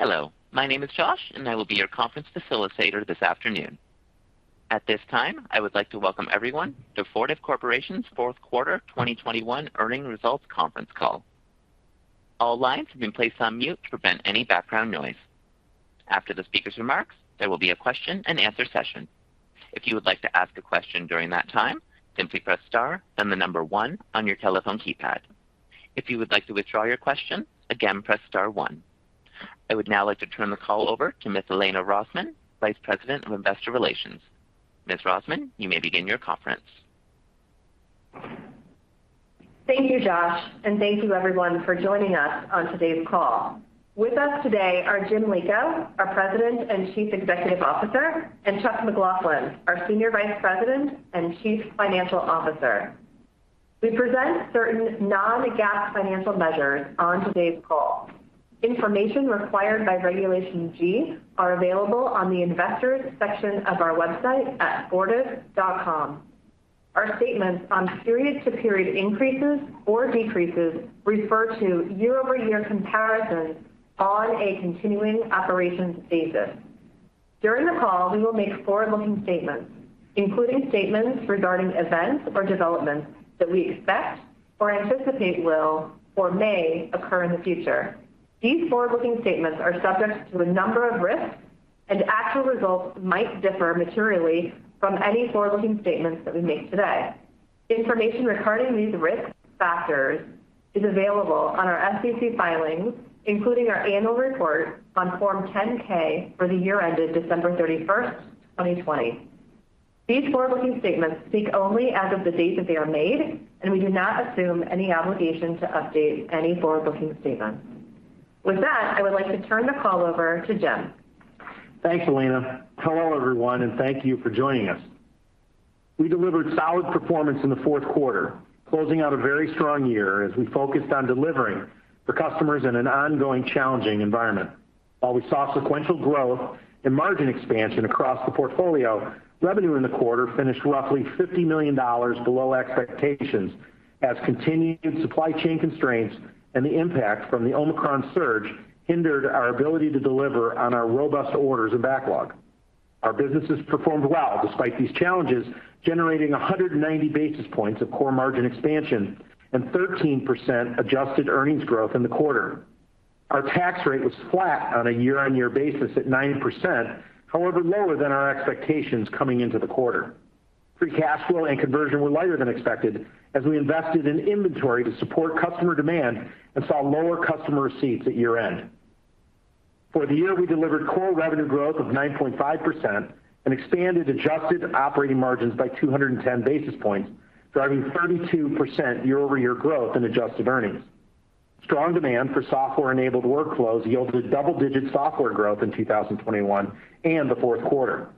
Hello, my name is Josh, and I will be your conference facilitator this afternoon. At this time, I would like to welcome everyone to Fortive Corporation's Fourth Quarter 2021 Earnings Results Conference Call. All lines have been placed on mute to prevent any background noise. After the speaker's remarks, there will be a question-and-answer session. If you would like to ask a question during that time, simply press star, then the number one on your telephone keypad. If you would like to withdraw your question, again, press star one. I would now like to turn the call over to Miss Elena Rosman, Vice President of Investor Relations. Miss Rosman, you may begin your conference. Thank you, Josh, and thank you everyone for joining us on today's call. With us today are James A. Lico, our President and Chief Executive Officer, and Charles E. McLaughlin, our Senior Vice President and Chief Financial Officer. We present certain non-GAAP financial measures on today's call. Information required by Regulation G are available on the Investors section of our website at fortive.com. Our statements on period-to-period increases or decreases refer to year-over-year comparisons on a continuing operations basis. During the call, we will make forward-looking statements, including statements regarding events or developments that we expect or anticipate will or may occur in the future. These forward-looking statements are subject to a number of risks, and actual results might differ materially from any forward-looking statements that we make today. Information regarding these risk factors is available on our SEC filings, including our annual report on Form 10-K for the year ended December 31, 2020. These forward-looking statements speak only as of the date that they are made, and we do not assume any obligation to update any forward-looking statement. With that, I would like to turn the call over to Jim. Thanks, Elena. Hello, everyone, and thank you for joining us. We delivered solid performance in the fourth quarter, closing out a very strong year as we focused on delivering for customers in an ongoing challenging environment. While we saw sequential growth and margin expansion across the portfolio, revenue in the quarter finished roughly $50 million below expectations as continued supply chain constraints and the impact from the Omicron surge hindered our ability to deliver on our robust orders and backlog. Our businesses performed well despite these challenges, generating 190 basis points of core margin expansion and 13% adjusted earnings growth in the quarter. Our tax rate was flat on a year-on-year basis at 9%, however lower than our expectations coming into the quarter. Free cash flow and conversion were lighter than expected as we invested in inventory to support customer demand and saw lower customer receipts at year-end. For the year, we delivered core revenue growth of 9.5% and expanded adjusted operating margins by 210 basis points, driving 32% year-over-year growth in adjusted earnings. Strong demand for software-enabled workflows yielded double-digit software growth in 2021 and the fourth quarter.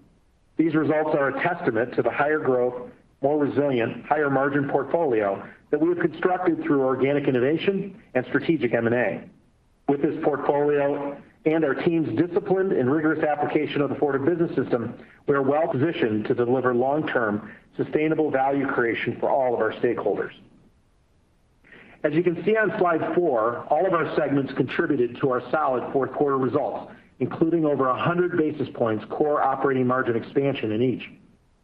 These results are a testament to the higher growth, more resilient, higher margin portfolio that we have constructed through organic innovation and strategic M&A. With this portfolio and our team's disciplined and rigorous application of the Fortive Business System, we are well-positioned to deliver long-term sustainable value creation for all of our stakeholders. As you can see on slide four, all of our segments contributed to our solid fourth quarter results, including over 100 basis points core operating margin expansion in each.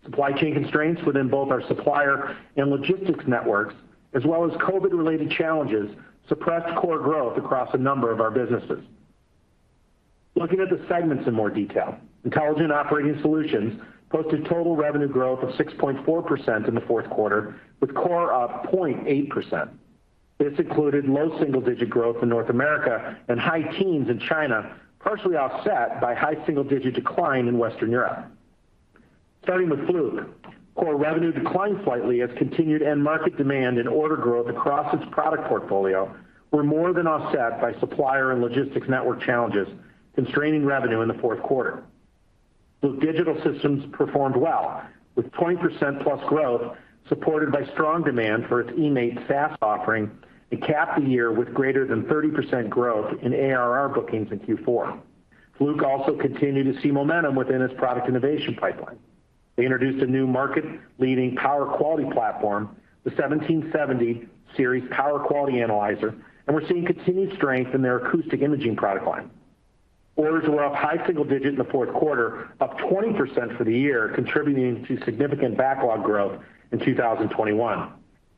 Supply chain constraints within both our supplier and logistics networks, as well as COVID-related challenges, suppressed core growth across a number of our businesses. Looking at the segments in more detail. Intelligent Operating Solutions posted total revenue growth of 6.4% in the fourth quarter, with core up 0.8%. This included low single-digit growth in North America and high teens in China, partially offset by high single-digit decline in Western Europe. Starting with Fluke, core revenue declined slightly as continued end market demand and order growth across its product portfolio were more than offset by supplier and logistics network challenges constraining revenue in the fourth quarter. Fluke Digital Systems performed well, with 20%+ growth supported by strong demand for its eMaint SaaS offering, and capped the year with greater than 30% growth in ARR bookings in Q4. Fluke also continued to see momentum within its product innovation pipeline. They introduced a new market-leading power quality platform, the 1770 Series Power Quality Analyzer, and we're seeing continued strength in their acoustic imaging product line. Orders were up high single digit in the fourth quarter, up 20% for the year, contributing to significant backlog growth in 2021.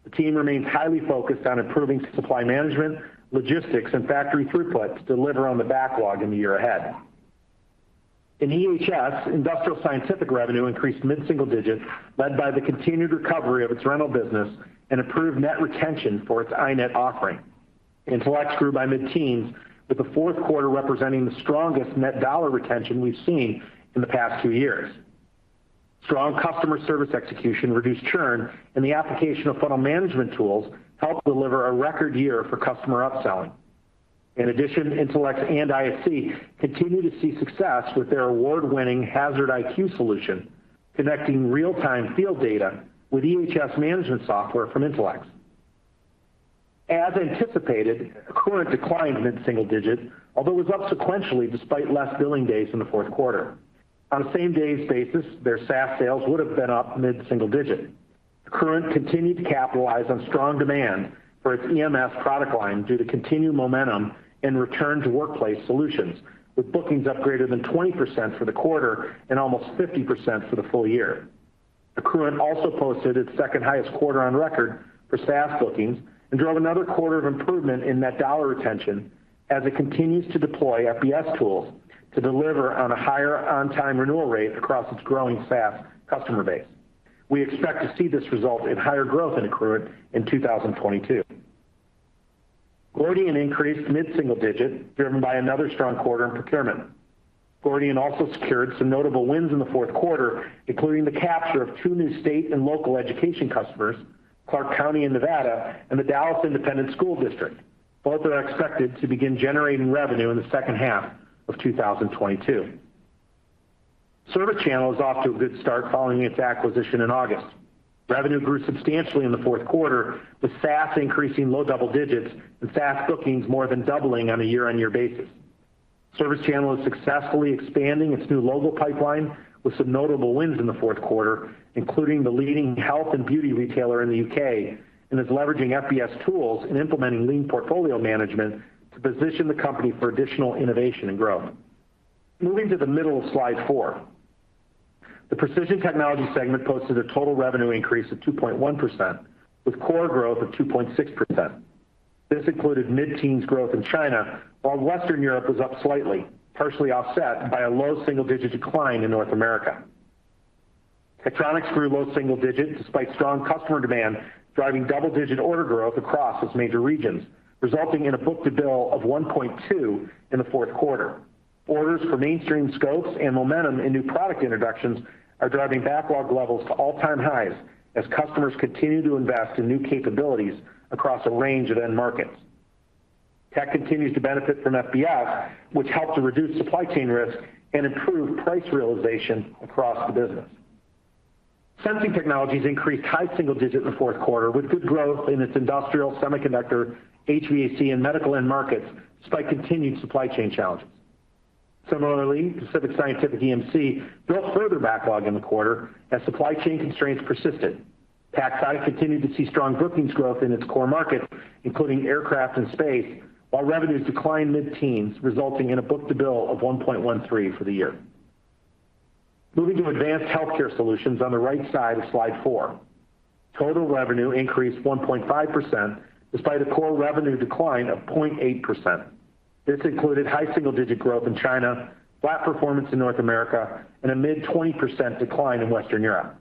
The team remains highly focused on improving supply management, logistics, and factory throughput to deliver on the backlog in the year ahead. In EHS, Industrial Scientific revenue increased mid-single digit, led by the continued recovery of its rental business and improved net retention for its iNet offering. Intelex grew by mid-teens%, with the fourth quarter representing the strongest net dollar retention we've seen in the past two years. Strong customer service execution reduced churn, and the application of funnel management tools helped deliver a record year for customer upselling. In addition, Intelex and ISC continue to see success with their award-winning HazardIQ solution, connecting real-time field data with EHS management software from Intelex. As anticipated, Accruent declined mid-single digits%, although it was up sequentially despite less billing days in the fourth quarter. On a same-days basis, their SaaS sales would have been up mid-single digits%. Accruent continued to capitalize on strong demand for its EMS product line due to continued momentum in return to workplace solutions, with bookings up greater than 20% for the quarter and almost 50% for the full year. Accruent also posted its second-highest quarter on record for SaaS bookings and drove another quarter of improvement in net dollar retention as it continues to deploy FBS tools to deliver on a higher on-time renewal rate across its growing SaaS customer base. We expect to see this result in higher growth in Accruent in 2022. Gordian increased mid-single-digit, driven by another strong quarter in procurement. Gordian also secured some notable wins in the fourth quarter, including the capture of two new state and local education customers, Clark County in Nevada and the Dallas Independent School District. Both are expected to begin generating revenue in the second half of 2022. ServiceChannel is off to a good start following its acquisition in August. Revenue grew substantially in the fourth quarter, with SaaS increasing low double digits and SaaS bookings more than doubling on a year-on-year basis. ServiceChannel is successfully expanding its new logo pipeline with some notable wins in the fourth quarter, including the leading health and beauty retailer in the U.K., and is leveraging FBS tools and implementing lean portfolio management to position the company for additional innovation and growth. Moving to the middle of slide four. The Precision Technologies segment posted a total revenue increase of 2.1%, with core growth of 2.6%. This included mid-teens growth in China, while Western Europe was up slightly, partially offset by a low single-digit decline in North America. Tektronix grew low single-digit despite strong customer demand, driving double-digit order growth across its major regions, resulting in a book-to-bill of 1.2 in the fourth quarter. Orders for mainstream scopes and momentum in new product introductions are driving backlog levels to all-time highs as customers continue to invest in new capabilities across a range of end markets. Tek continues to benefit from FBS, which helped to reduce supply chain risk and improve price realization across the business. Sensing Technologies increased high single digit in the fourth quarter, with good growth in its industrial semiconductor, HVAC, and medical end markets despite continued supply chain challenges. Similarly, Pacific Scientific EMC built further backlog in the quarter as supply chain constraints persisted. PacSci continued to see strong bookings growth in its core markets, including aircraft and space, while revenues declined mid-teens, resulting in a book-to-bill of 1.13 for the year. Moving to Advanced Healthcare Solutions on the right side of slide four. Total revenue increased 1.5% despite a core revenue decline of 0.8%. This included high single-digit growth in China, flat performance in North America, and a mid-20% decline in Western Europe.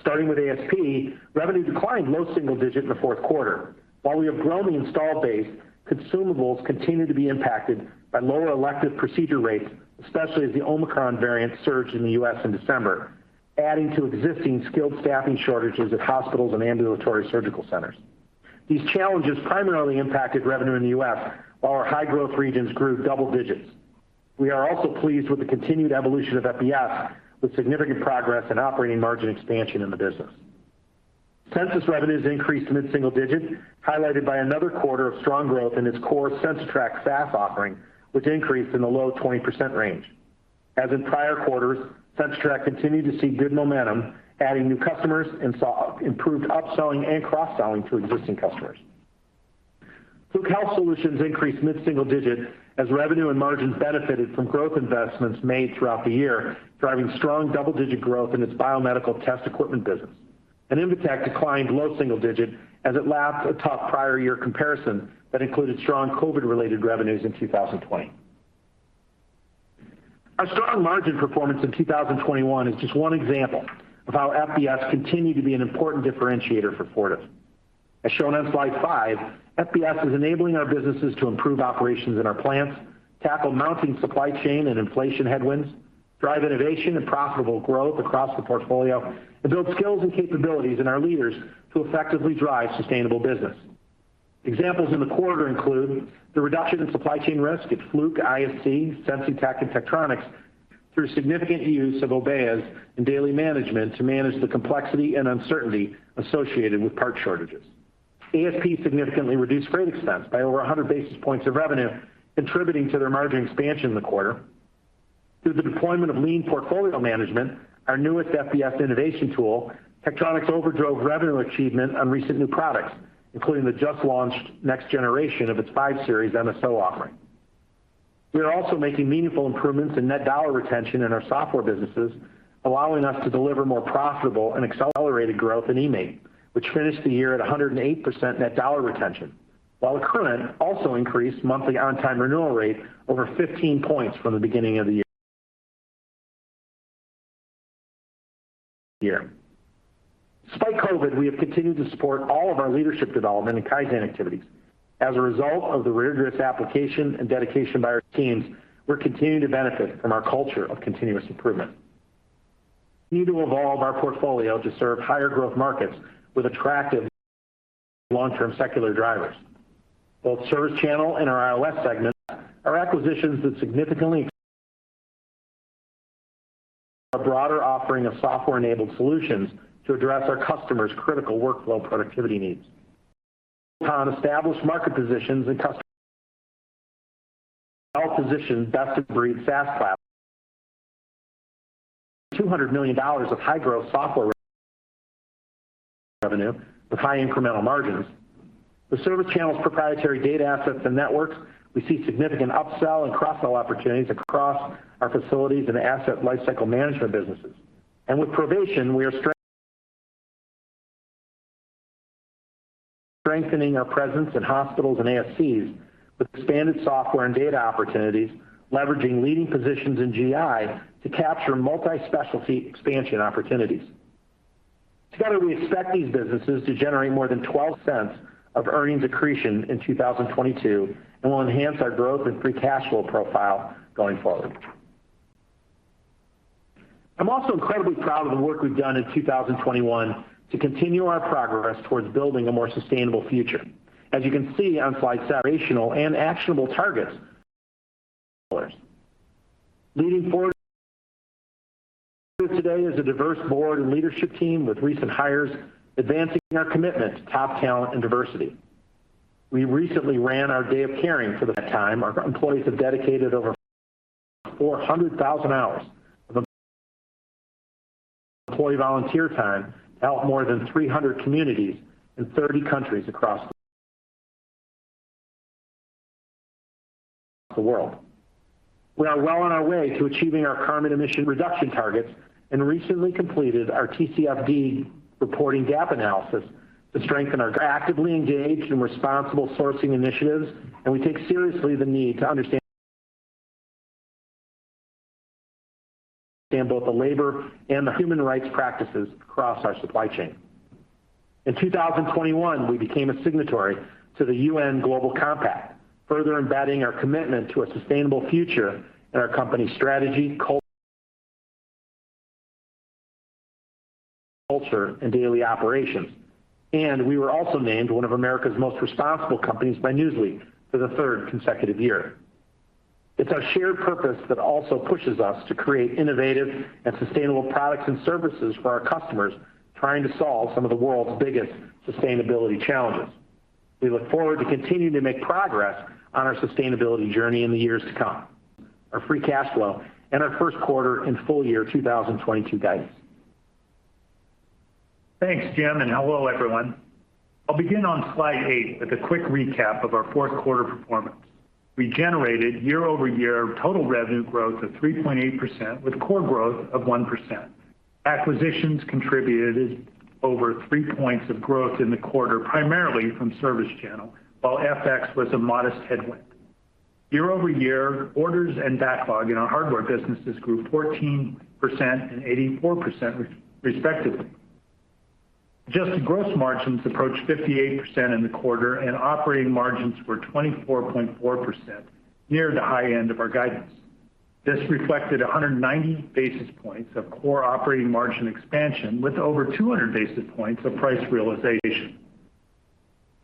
Starting with ASP, revenue declined low-single-digit in the fourth quarter. While we have grown the installed base, consumables continued to be impacted by lower elective procedure rates, especially as the Omicron variant surged in the U.S. in December, adding to existing skilled staffing shortages at hospitals and ambulatory surgical centers. These challenges primarily impacted revenue in the U.S., while our high-growth regions grew double digits. We are also pleased with the continued evolution of FBS, with significant progress in operating margin expansion in the business. Censis revenues increased mid-single-digit, highlighted by another quarter of strong growth in its core CensiTrac SaaS offering, which increased in the low-20% range. As in prior quarters, CensiTrac continued to see good momentum, adding new customers and saw improved upselling and cross-selling to existing customers. Fluke Health Solutions increased mid-single-digit % as revenue and margins benefited from growth investments made throughout the year, driving strong double-digit % growth in its biomedical test equipment business. Invetech declined low-single-digit % as it lapped a top prior year comparison that included strong COVID-related revenues in 2020. Our strong margin performance in 2021 is just one example of how FBS continued to be an important differentiator for Fortive. As shown on slide five, FBS is enabling our businesses to improve operations in our plants, tackle mounting supply chain and inflation headwinds, drive innovation and profitable growth across the portfolio, and build skills and capabilities in our leaders to effectively drive sustainable business. Examples in the quarter include the reduction in supply chain risk at Fluke, IOS, Sensing Tech, and Tektronix through significant use of Obeyas and daily management to manage the complexity and uncertainty associated with part shortages. ASP significantly reduced freight expense by over 100 basis points of revenue, contributing to their margin expansion in the quarter. Through the deployment of lean portfolio management, our newest FBS innovation tool, Tektronix overdrove revenue achievement on recent new products, including the just-launched next generation of its 5 Series MSO offering. We are also making meaningful improvements in net dollar retention in our software businesses, allowing us to deliver more profitable and accelerated growth in eMaint, which finished the year at 108% net dollar retention. While Accruent also increased monthly on-time renewal rate over 15 points from the beginning of the year. Despite COVID, we have continued to support all of our leadership development and Kaizen activities. As a result of the rigorous application and dedication by our teams, we're continuing to benefit from our culture of continuous improvement. We need to evolve our portfolio to serve higher growth markets with attractive long-term secular drivers. Both ServiceChannel and our IOS segment are acquisitions that significantly a broader offering of software-enabled solutions to address our customers' critical workflow productivity needs. Established market positions and custom- Well-positioned best-of-breed SaaS platform. $200 million of high-growth software revenue with high incremental margins. The ServiceChannel's proprietary data assets and networks, we see significant upsell and cross-sell opportunities across our facilities and asset lifecycle management businesses. With Provation, we are strengthening our presence in hospitals and ASCs with expanded software and data opportunities, leveraging leading positions in GI to capture multi-specialty expansion opportunities. Together, we expect these businesses to generate more than $0.12 of earnings accretion in 2022, and will enhance our growth and free cash flow profile going forward. I'm also incredibly proud of the work we've done in 2021 to continue our progress towards building a more sustainable future. As you can see on slide, rational and actionable targets. Looking forward today is a diverse board and leadership team with recent hires advancing our commitment to top talent and diversity. We recently ran our Day of Caring for the fifth time. Our employees have dedicated over 400,000 hours of employee volunteer time to help more than 300 communities in 30 countries across the world. We are well on our way to achieving our carbon emission reduction targets and recently completed our TCFD reporting gap analysis to strengthen our. We're actively engaged in responsible sourcing initiatives, and we take seriously the need to understand both the labor and the human rights practices across our supply chain. In 2021, we became a signatory to the UN Global Compact, further embedding our commitment to a sustainable future in our company's strategy, culture, and daily operations. We were also named one of America's most responsible companies by Newsweek for the third consecutive year. It's our shared purpose that also pushes us to create innovative and sustainable products and services for our customers, trying to solve some of the world's biggest sustainability challenges. We look forward to continuing to make progress on our sustainability journey in the years to come. Our free cash flow and our first quarter and full year 2022 guidance. Thanks, Jim, and hello, everyone. I'll begin on slide eight with a quick recap of our fourth quarter performance. We generated year-over-year total revenue growth of 3.8% with core growth of 1%. Acquisitions contributed over three points of growth in the quarter, primarily from ServiceChannel, while FX was a modest headwind. Year-over-year, orders and backlog in our hardware businesses grew 14% and 84%, respectively. Adjusted gross margins approached 58% in the quarter, and operating margins were 24.4%, near the high end of our guidance. This reflected 190 basis points of core operating margin expansion with over 200 basis points of price realization.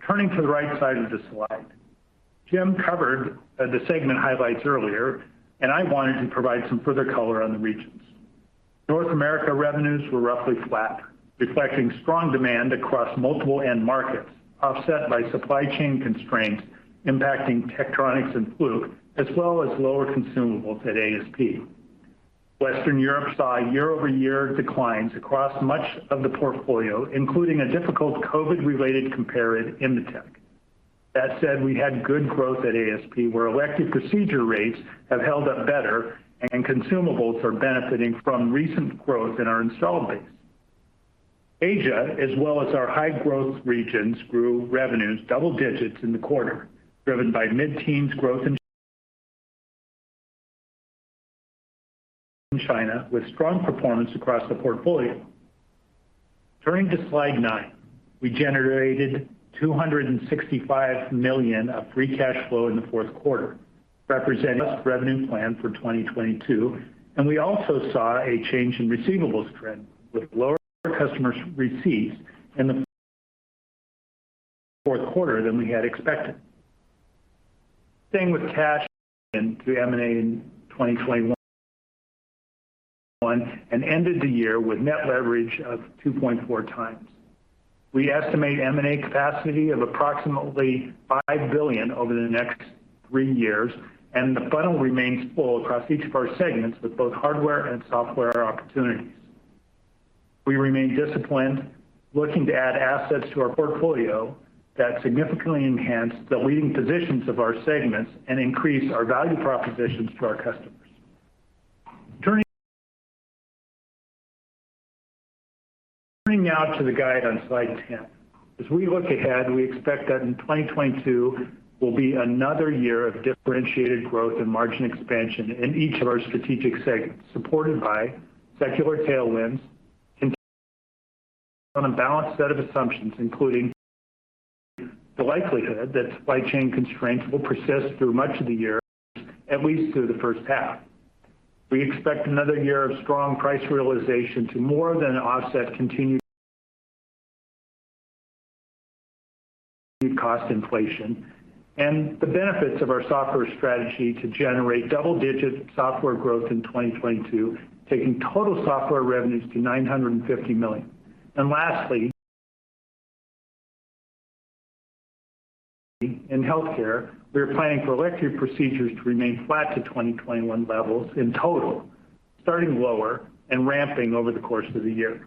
Turning to the right side of the slide. Jim covered the segment highlights earlier, and I wanted to provide some further color on the regions. North America revenues were roughly flat, reflecting strong demand across multiple end markets, offset by supply chain constraints impacting Tektronix and Fluke, as well as lower consumables at ASP. Western Europe saw year-over-year declines across much of the portfolio, including a difficult COVID-related comparable in the tech. That said, we had good growth at ASP, where elective procedure rates have held up better and consumables are benefiting from recent growth in our installed base. Asia, as well as our high-growth regions, grew revenues double digits in the quarter, driven by mid-teens growth in China, with strong performance across the portfolio. Turning to slide nine. We generated $265 million of free cash flow in the fourth quarter, representing revenue plan for 2022, and we also saw a change in receivables trend with lower customer receipts in the fourth quarter than we had expected. Staying with cash through M&A in 2021 and ended the year with net leverage of 2.4 times. We estimate M&A capacity of approximately $5 billion over the next three years, and the funnel remains full across each of our segments with both hardware and software opportunities. We remain disciplined, looking to add assets to our portfolio that significantly enhance the leading positions of our segments and increase our value propositions to our customers. Turning to the guidance on slide 10. As we look ahead, we expect that in 2022 will be another year of differentiated growth and margin expansion in each of our strategic segments, supported by secular tailwinds on a balanced set of assumptions, including the likelihood that supply chain constraints will persist through much of the year, at least through the first half. We expect another year of strong price realization to more than offset continued cost inflation and the benefits of our software strategy to generate double-digit software growth in 2022, taking total software revenues to $950 million. Lastly, in healthcare, we are planning for elective procedures to remain flat to 2021 levels in total, starting lower and ramping over the course of the year.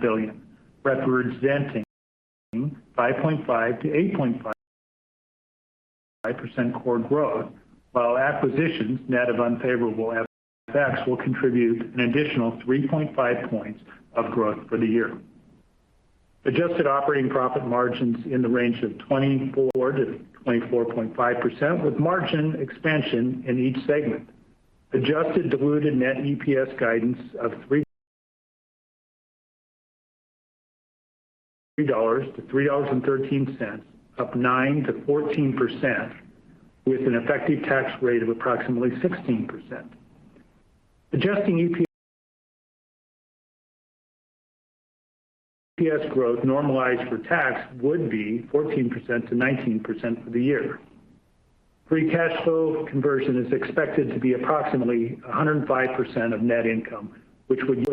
Billion, representing 5.5%-8.5% core growth, while acquisitions net of unfavorable FX will contribute an additional 3.5 points of growth for the year. Adjusted operating profit margins in the range of 24%-24.5%, with margin expansion in each segment. Adjusted diluted net EPS guidance of $3-$3.13, up 9%-14% with an effective tax rate of approximately 16%. Adjusting EPS growth normalized for tax would be 14%-19% for the year. Free cash flow conversion is expected to be approximately 105% of net income, which would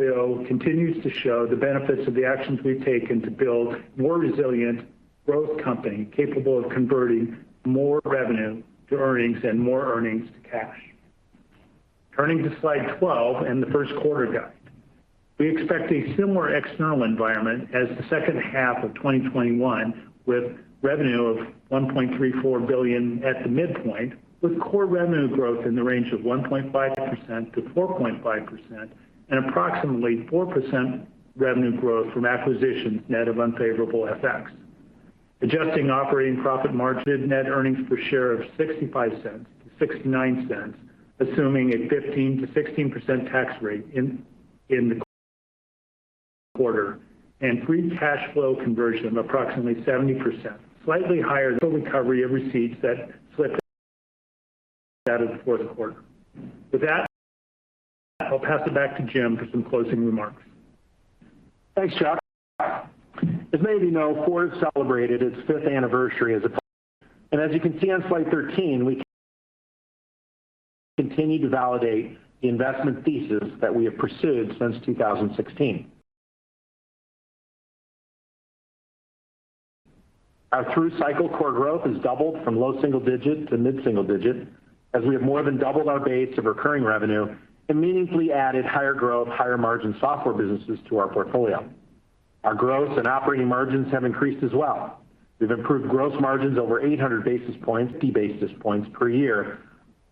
continue to show the benefits of the actions we've taken to build more resilient growth company capable of converting more revenue to earnings and more earnings to cash. Turning to slide 12 and the first quarter guide. We expect a similar external environment as the second half of 2021, with revenue of $1.34 billion at the midpoint, with core revenue growth in the range of 1.5%-4.5% and approximately 4% revenue growth from acquisitions net of unfavorable FX. Adjusted operating profit margin, net earnings per share of $0.65-$0.69, assuming a 15%-16% tax rate in the quarter and free cash flow conversion of approximately 70%, slightly higher than the recovery of receipts that slipped out of the fourth quarter. With that, I'll pass it back to Jim for some closing remarks. Thanks, Josh. As many of you know, Fortive celebrated its 5th anniversary as a public company. As you can see on slide 13, we continue to validate the investment thesis that we have pursued since 2016. Our through-cycle core growth has doubled from low single-digit to mid single-digit as we have more than doubled our base of recurring revenue and meaningfully added higher growth, higher margin software businesses to our portfolio. Our gross and operating margins have increased as well. We've improved gross margins over 800 basis points, 50 basis points per year.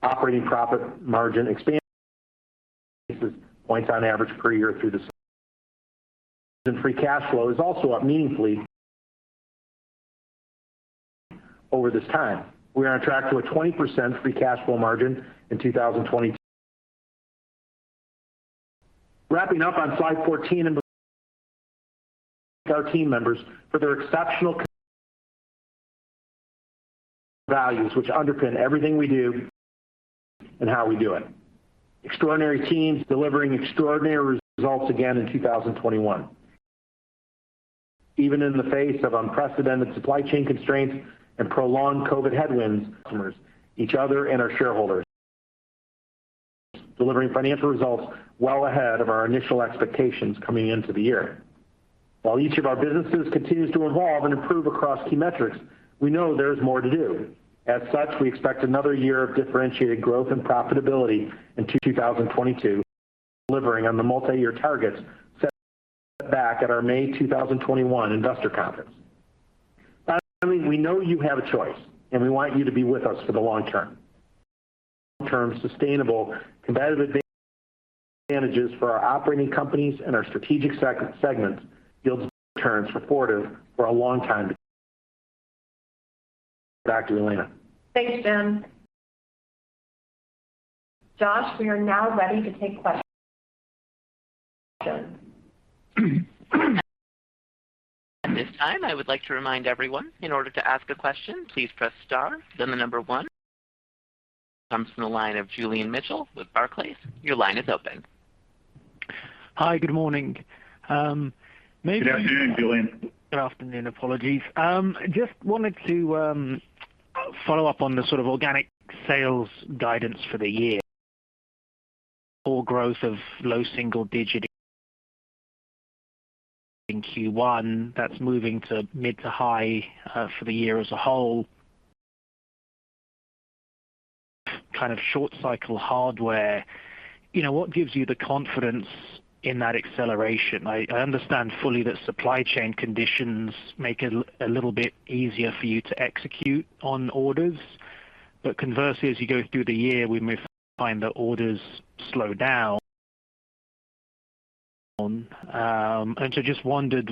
Operating profit margin expansion 50 points on average per year through this. Free cash flow is also up meaningfully over this time. We are on track to a 20% free cash flow margin in 2022. Wrapping up on slide 14, thanking our team members for their exceptional values which underpin everything we do and how we do it. Extraordinary teams delivering extraordinary results again in 2021, even in the face of unprecedented supply chain constraints and prolonged COVID headwinds, while serving customers, each other, and our shareholders. Delivering financial results well ahead of our initial expectations coming into the year. While each of our businesses continues to evolve and improve across key metrics, we know there is more to do. As such, we expect another year of differentiated growth and profitability in 2022, delivering on the multi-year targets set back at our May 2021 investor conference. Finally, we know you have a choice, and we want you to be with us for the long term. Long-term, sustainable competitive advantages for our operating companies and our strategic segments yields returns for Fortive for a long time to come. Back to Elena. Thanks, Jim. Josh, we are now ready to take questions. At this time, I would like to remind everyone, in order to ask a question, please press star, then the number one. Comes from the line of Julian Mitchell with Barclays. Your line is open. Hi, good morning. Good afternoon, Julian. Good afternoon. Apologies. Just wanted to follow up on the sort of organic sales guidance for the year. Core growth of low single digit in Q1 that's moving to mid to high for the year as a whole. Kind of short cycle hardware. You know, what gives you the confidence in that acceleration? I understand fully that supply chain conditions make it a little bit easier for you to execute on orders. But conversely, as you go through the year, we may find that orders slow down. Just wondered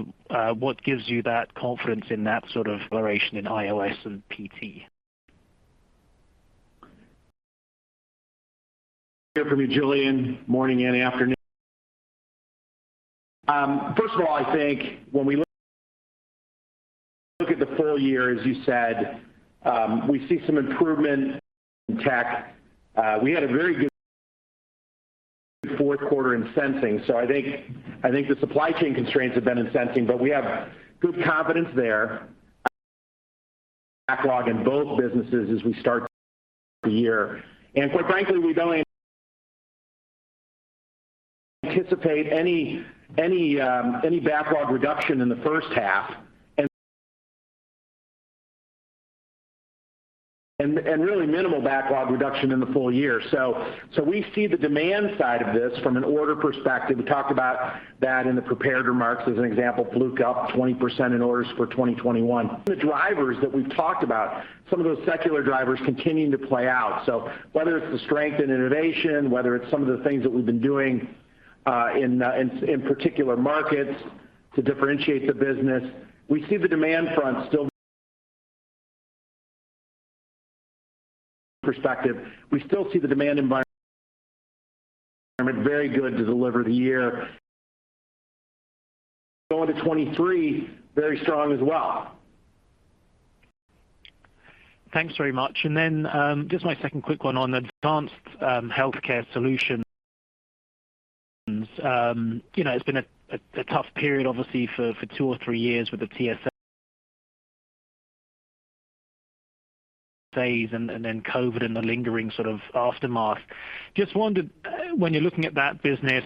what gives you that confidence in that sort of acceleration in IOS and PT? Good for me, Julian. Morning and afternoon. First of all, I think when we look at the full year, as you said, we see some improvement in tech. We had a very good fourth quarter in Sensing. I think the supply chain constraints have been in Sensing, but we have good confidence there. Backlog in both businesses as we start the year. Quite frankly, we don't anticipate any backlog reduction in the first half and really minimal backlog reduction in the full year. We see the demand side of this from an order perspective. We talked about that in the prepared remarks. As an example, Fluke up 20% in orders for 2021. The drivers that we've talked about, some of those secular drivers continuing to play out. Whether it's the strength and innovation, whether it's some of the things that we've been doing in particular markets to differentiate the business. We see the demand front still positive. We still see the demand environment very good to deliver the year. Going into 2023, very strong as well. Thanks very much. Just my second quick one on Advanced Healthcare Solutions. You know, it's been a tough period obviously for two or three years with the TSA phase and then COVID and the lingering sort of aftermath. Just wondered when you're looking at that business,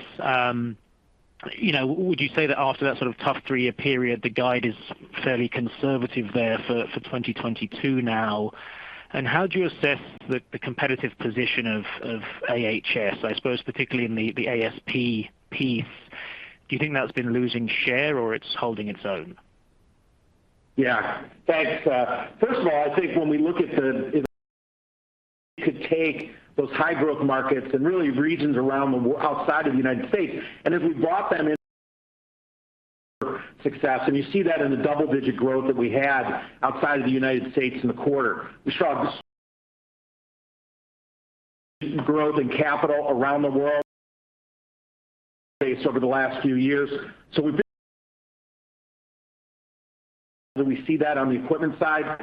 you know, would you say that after that sort of tough three-year period, the guide is fairly conservative there for 2022 now? How do you assess the competitive position of AHS, I suppose particularly in the ASP piece. Do you think that's been losing share or it's holding its own? Yeah. Thanks. First of all, I think when we look at, we could take those high growth markets and the regions around the world outside of the United States, and as we brought them on successfully. You see that in the double-digit growth that we had outside of the United States in the quarter. We saw growth in capital around the world over the last few years. We see that on the equipment side.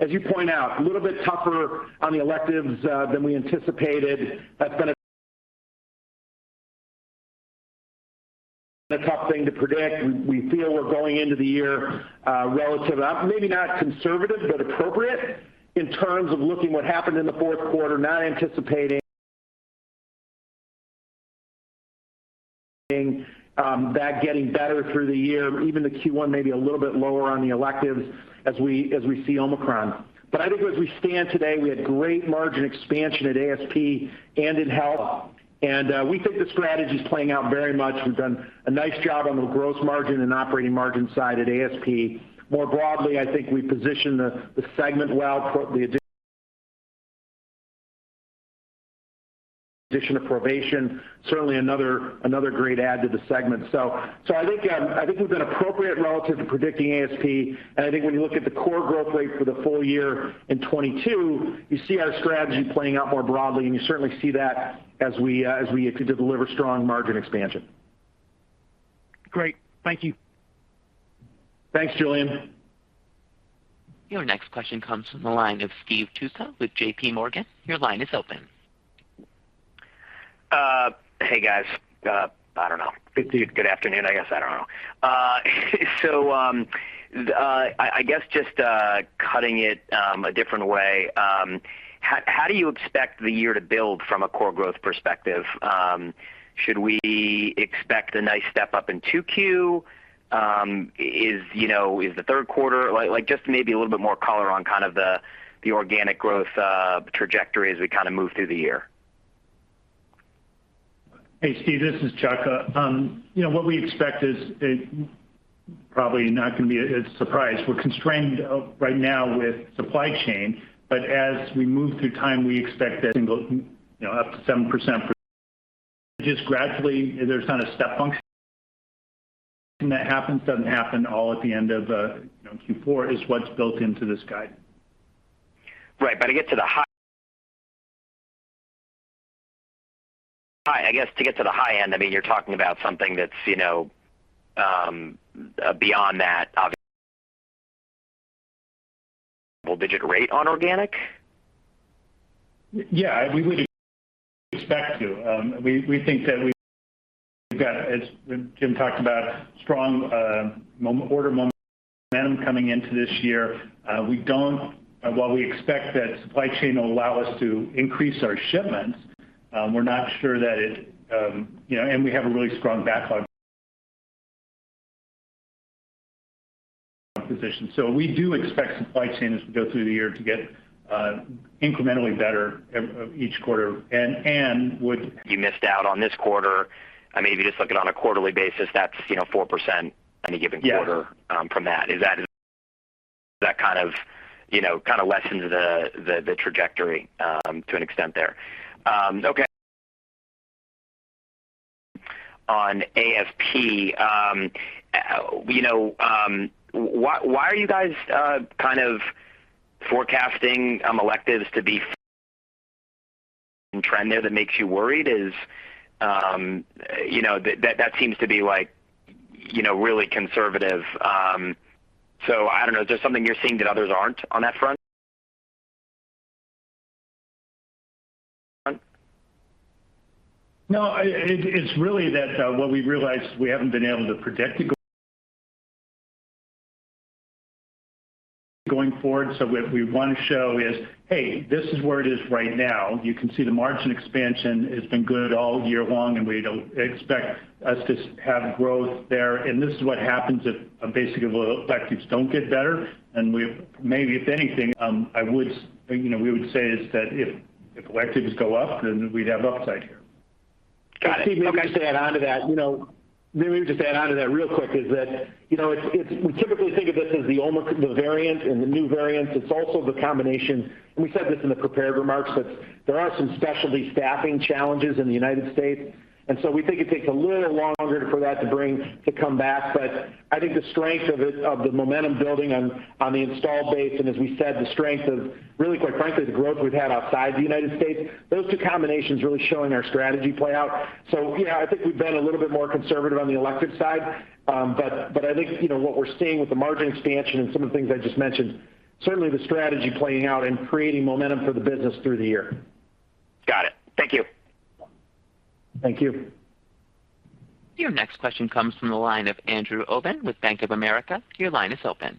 As you point out, a little bit tougher on the electives than we anticipated. That's been a tough thing to predict. We feel we're going into the year, relatively, maybe not conservative, but appropriate in terms of looking at what happened in the fourth quarter, not anticipating that getting better through the year. Even the Q1 may be a little bit lower on the electives as we see Omicron. I think as we stand today, we had great margin expansion at ASP and in health. We think the strategy is playing out very much. We've done a nice job on the gross margin and operating margin side at ASP. More broadly, I think we position the segment well for the addition of Provation, certainly another great add to the segment. I think we've been appropriate relative to predicting ASP. I think when you look at the core growth rate for the full year in 2022, you see our strategy playing out more broadly, and you certainly see that as we deliver strong margin expansion. Great. Thank you. Thanks, Julian. Your next question comes from the line of Steve Tusa with J.P. Morgan. Your line is open. Hey, guys. I don't know. Good afternoon, I guess. I don't know. I guess just cutting it a different way, how do you expect the year to build from a core growth perspective? Should we expect a nice step up in 2Q? You know, is the third quarter like just maybe a little bit more color on kind of the organic growth trajectory as we kind of move through the year. Hey, Steve, this is Chuck. You know, what we expect is, it probably not gonna be a surprise. We're constrained right now with supply chain, but as we move through time, we expect that single-digit, you know, up to 7% just gradually. There's not a step function that happens, doesn't happen all at the end of, you know, Q4 is what's built into this guide. Right. To get to the high end, I guess, I mean, you're talking about something that's, you know, beyond that, obviously double-digit rate on organic? Yeah. We would expect to. We think that we've got, as Jim talked about, strong order momentum coming into this year. While we expect that supply chain will allow us to increase our shipments, we're not sure that it, you know. We have a really strong backlog position. We do expect supply chains to go through the year to get incrementally better each quarter and would. You missed out on this quarter. I mean, if you just look it on a quarterly basis, that's, you know, 4% any given quarter from that. Is that kind of, you know, kinda lessens the trajectory to an extent there. Okay. On ASP. You know, why are you guys kind of forecasting electives to be trend there that makes you worried? Is you know that seems to be like, you know, really conservative. I don't know. Is there something you're seeing that others aren't on that front? No. It's really that, what we've realized we haven't been able to predict. Going forward, what we want to show is, hey, this is where it is right now. You can see the margin expansion has been good all year long, and we don't expect us to have growth there. This is what happens if basically electives don't get better. Maybe if anything, I would, you know, we would say is that if electives go up, then we'd have upside here. Got it. Okay. Steve, maybe just to add on to that real quick, you know, it's we typically think of this as the Omicron variant and the new variant. It's also the combination, and we said this in the prepared remarks, that there are some specialty staffing challenges in the United States. We think it takes a little longer for that to come back. But I think the strength of it, of the momentum building on the installed base, and as we said, the strength of really, quite frankly, the growth we've had outside the United States, those two combinations really showing our strategy play out. Yeah, I think we've been a little bit more conservative on the electric side. I think, you know, what we're seeing with the margin expansion and some of the things I just mentioned, certainly the strategy playing out and creating momentum for the business through the year. Got it. Thank you. Thank you. Your next question comes from the line of Andrew Obin with Bank of America. Your line is open.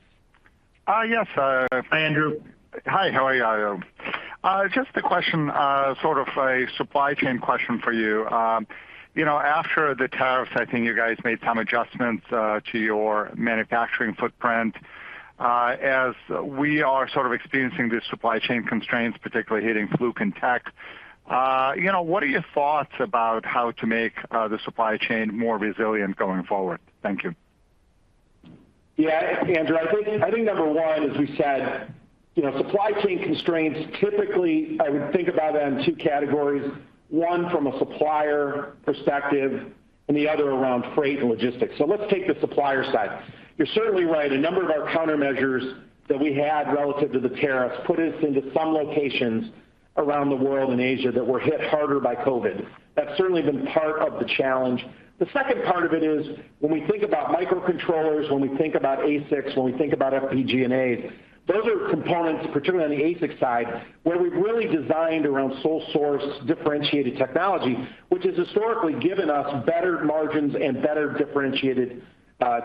Yes. Hi, Andrew. Hi, how are you? Just a question, sort of a supply chain question for you. You know, after the tariffs, I think you guys made some adjustments to your manufacturing footprint. As we are sort of experiencing these supply chain constraints, particularly hitting Fluke and Tek, you know, what are your thoughts about how to make the supply chain more resilient going forward? Thank you. Yeah. Andrew, I think number one, as we said, you know, supply chain constraints, typically, I would think about them in two categories, one from a supplier perspective and the other around freight and logistics. Let's take the supplier side. You're certainly right. A number of our countermeasures that we had relative to the tariffs put us into some locations around the world in Asia that were hit harder by COVID. That's certainly been part of the challenge. The second part of it is when we think about microcontrollers, when we think about ASICs, when we think about FPGA, those are components, particularly on the ASIC side, where we've really designed around sole source differentiated technology, which has historically given us better margins and better differentiated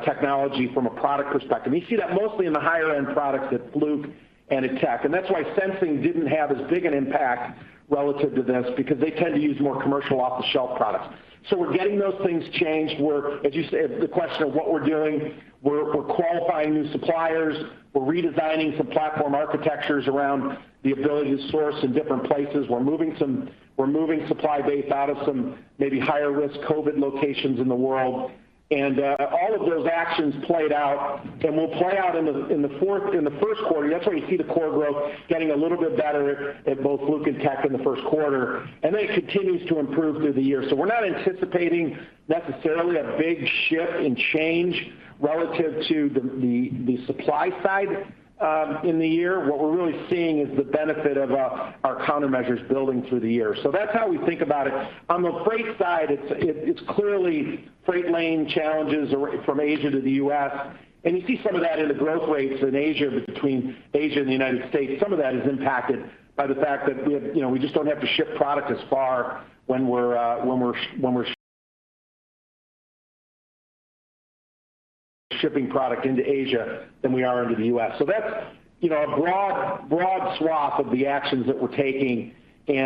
technology from a product perspective. You see that mostly in the higher-end products at Fluke and at Tek. That's why Sensing didn't have as big an impact relative to this because they tend to use more commercial off-the-shelf products. We're getting those things changed. We're, as you say, the question of what we're doing, we're qualifying new suppliers. We're redesigning some platform architectures around the ability to source in different places. We're moving supply base out of some maybe higher-risk COVID locations in the world. All of those actions played out and will play out in the first quarter. That's why you see the core growth getting a little bit better at both Fluke and Tek in the first quarter, and then it continues to improve through the year. We're not anticipating necessarily a big shift and change relative to the supply side in the year. What we're really seeing is the benefit of our countermeasures building through the year. That's how we think about it. On the freight side, it's clearly freight lane challenges from Asia to the US, and you see some of that in the growth rates in Asia between Asia and the United States. Some of that is impacted by the fact that we have, you know, we just don't have to ship product as far when we're shipping product into Asia than we are into the US. So that's, you know, a broad swath of the actions that we're taking. You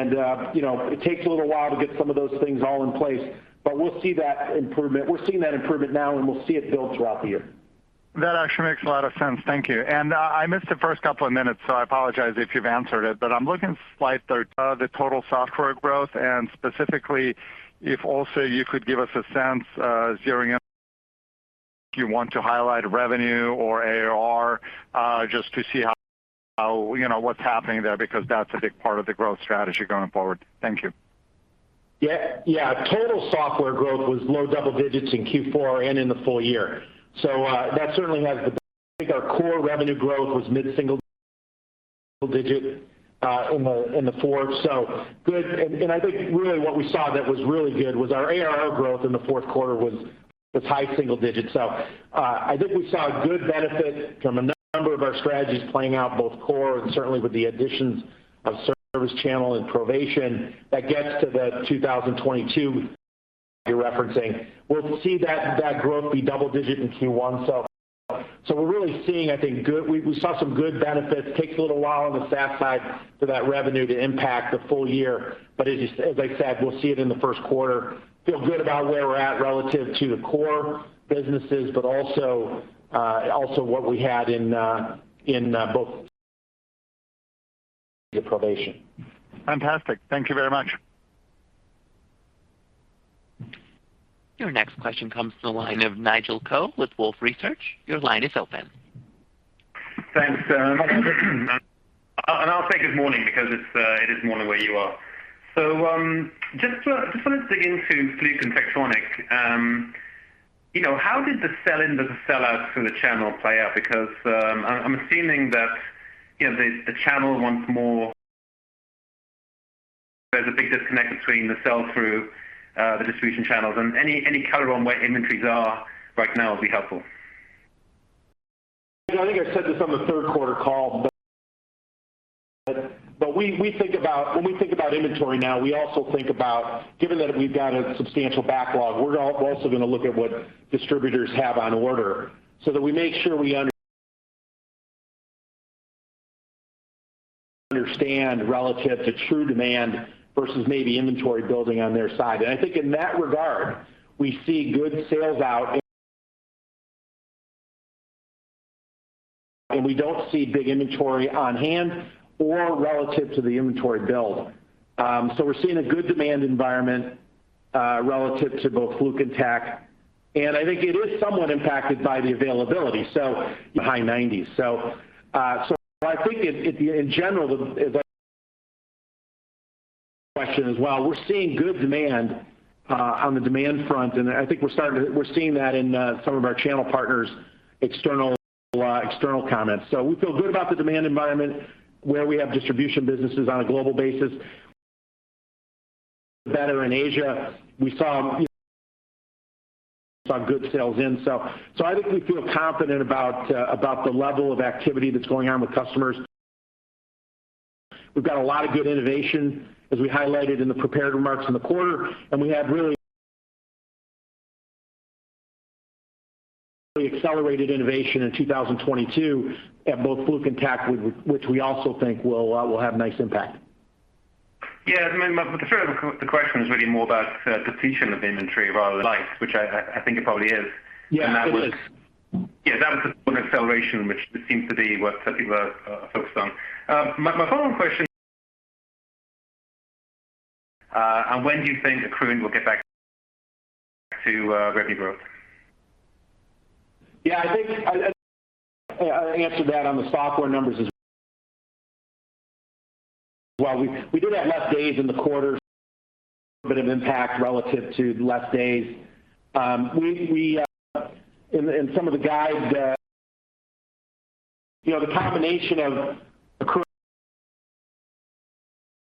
know, it takes a little while to get some of those things all in place. We'll see that improvement. We're seeing that improvement now, and we'll see it build throughout the year. That actually makes a lot of sense. Thank you. I missed the first couple of minutes, so I apologize if you've answered it. I'm looking at slide 13, the total software growth, and specifically, if also you could give us a sense, zeroing in, if you want to highlight revenue or ARR, just to see how, you know, what's happening there because that's a big part of the growth strategy going forward. Thank you. Yeah. Yeah. Total software growth was low double digits in Q4 and in the full year. I think our core revenue growth was mid-single digit in the fourth. Good. I think really what we saw that was really good was our ARR growth in the fourth quarter was this high single digit. I think we saw a good benefit from a number of our strategies playing out both core and certainly with the additions of ServiceChannel and Provation that gets to the 2022 you're referencing. We'll see that growth be double digit in Q1. We're really seeing, I think, good benefits. We saw some good benefits. Takes a little while on the SaaS side for that revenue to impact the full year. As I said, we'll see it in the first quarter. Feel good about where we're at relative to the core businesses, but also what we had in both the Provation. Fantastic. Thank you very much. Your next question comes from the line of Nigel Coe with Wolfe Research. Your line is open. Thanks. I'll take it morning because it is morning where you are. Just wanted to dig into Fluke and Tektronix. You know, how did the sell-in versus sell out through the channel play out? Because I'm assuming that, you know, the channel wants more. There's a big disconnect between the sell-through the distribution channels. Any color on where inventories are right now would be helpful. I think I said this on the third quarter call, but we think about inventory now. We also think about, given that we've got a substantial backlog, we're also gonna look at what distributors have on order so that we make sure we understand relative to true demand versus maybe inventory building on their side. I think in that regard, we see good sales out. We don't see big inventory on hand or relative to the inventory build. We're seeing a good demand environment relative to both Fluke and Tek. I think it is somewhat impacted by the availability. High 90s. I think it in general, the question as well. We're seeing good demand on the demand front, and I think we're seeing that in some of our channel partners' external comments. We feel good about the demand environment where we have distribution businesses on a global basis. Better in Asia. We saw, you know, good sales in, so I think we feel confident about the level of activity that's going on with customers. We've got a lot of good innovation, as we highlighted in the prepared remarks in the quarter, and we have really accelerated innovation in 2022 at both Fluke and Tek, which we also think will have nice impact. Yeah. I mean, the question is really more about depletion of inventory rather than life, which I think it probably is. Yeah, it is. That was the acceleration, which seems to be what certainly we're focused on. My follow-up question. When do you think Accruent will get back to revenue growth? Yeah, I think I answered that on the software numbers as well. We do have less days in the quarter, bit of impact relative to less days. We in some of the guidance, you know, the combination of Accruent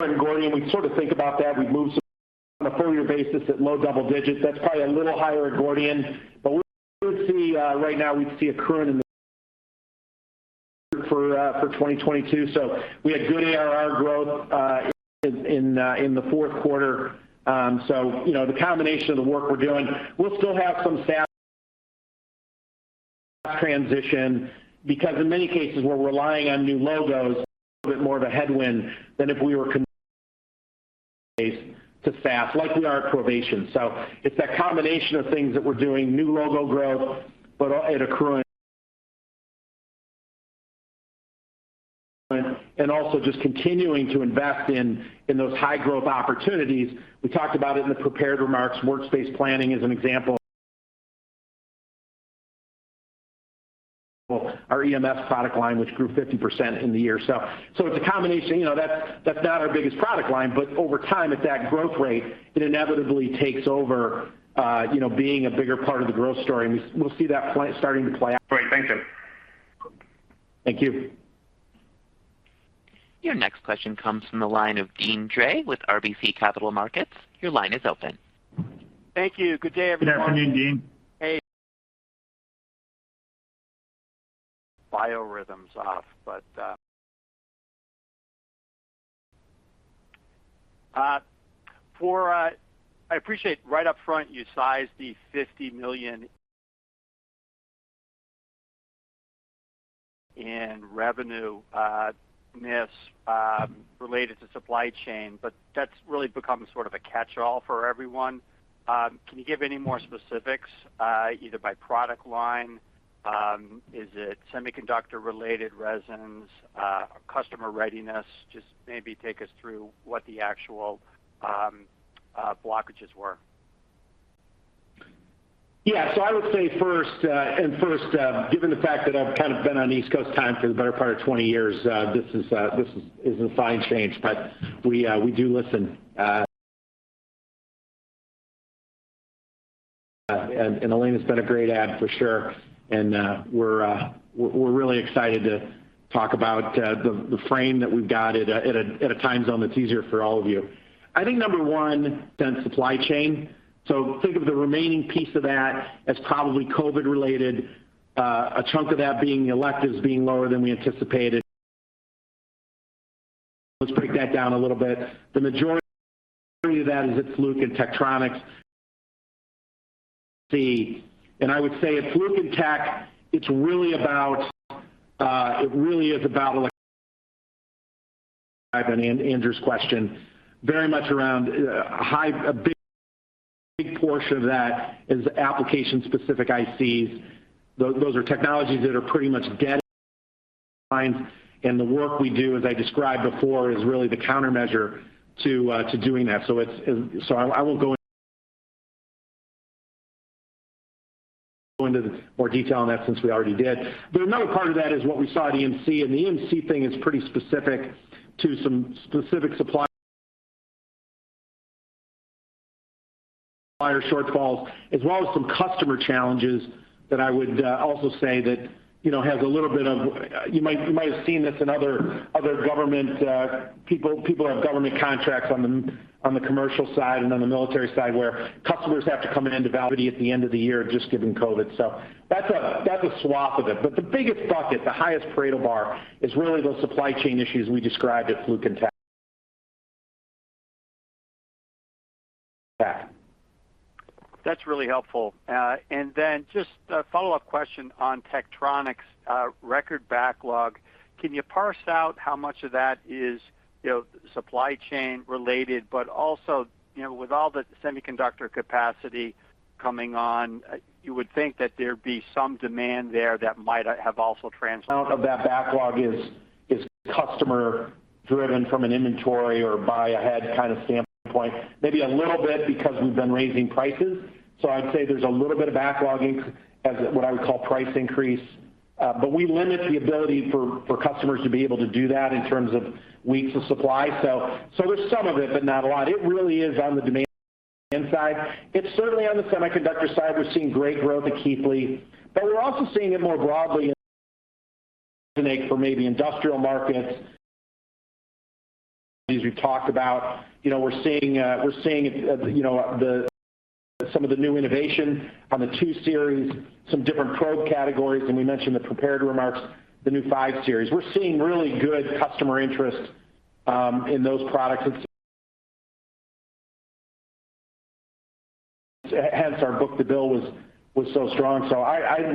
and Gordian, we sort of think about that. We've moved on a full year basis at low double digits. That's probably a little higher at Gordian. But we would see, right now we'd see Accruent in the 40s for 2022. We had good ARR growth in the fourth quarter. You know, the combination of the work we're doing, we'll still have some SaaS transition because in many cases, we're relying on new logos, a little bit more of a headwind than if we were to SaaS like we are at Provation. It's that combination of things that we're doing, new logo growth, but at Accruent. Also just continuing to invest in those high-growth opportunities. We talked about it in the prepared remarks. Workspace planning is an example. Our EMS product line, which grew 50% in the year. It's a combination. You know, that's not our biggest product line, but over time, at that growth rate, it inevitably takes over, you know, being a bigger part of the growth story, and we'll see that starting to play out. Great. Thank you. Thank you. Your next question comes from the line of Deane Dray with RBC Capital Markets. Your line is open. Thank you. Good day, everyone. Good afternoon, Deane. I appreciate right up front you sized the $50 million in revenue missed related to supply chain, but that's really become sort of a catch-all for everyone. Can you give any more specifics either by product line? Is it semiconductor-related issues, customer readiness? Just maybe take us through what the actual blockages were. Yeah. I would say first, given the fact that I've kind of been on East Coast time for the better part of 20 years, this is a fine change, but we do listen. Elena has been a great add for sure. We're really excited to talk about the frame that we've got at a time zone that's easier for all of you. I think number one, supply chain. Think of the remaining piece of that as probably COVID-related, a chunk of that being electives being lower than we anticipated. Let's break that down a little bit. The majority of that is at Fluke and Tektronix. I would say at Fluke and Tek, it's really about, it really is about like Andrew's question, very much around, a big, big portion of that is application-specific ICs. Those are technologies that are pretty much dead. The work we do, as I described before, is really the countermeasure to doing that. I won't go into more detail on that since we already did. But another part of that is what we saw at EMC, and the EMC thing is pretty specific to some specific supplier shortfalls, as well as some customer challenges that I would also say that, you know, has a little bit of. You might have seen this in other government. People have government contracts on the commercial side and on the military side where customers have to come in to validate at the end of the year just given COVID. That's a swath of it. The biggest bucket, the highest Pareto bar, is really those supply chain issues we described at Fluke and Tek. That's really helpful. Just a follow-up question on Tektronix, record backlog. Can you parse out how much of that is, you know, supply chain related, but also, you know, with all the semiconductor capacity coming on, you would think that there'd be some demand there that might have also transferred. Of that backlog is customer driven from an inventory or buy ahead kind of standpoint. Maybe a little bit because we've been raising prices. So I'd say there's a little bit of backlog in as what I would call price increase. But we limit the ability for customers to be able to do that in terms of weeks of supply. So there's some of it, but not a lot. It really is on the demand side. It's certainly on the semiconductor side, we're seeing great growth at Keithley, but we're also seeing it more broadly in for maybe industrial markets. As we've talked about, you know, we're seeing, you know, some of the new innovation on the 2 Series, some different probe categories, and we mentioned the prepared remarks, the new 5 Series. We're seeing really good customer interest in those products. Hence, our book-to-bill was so strong.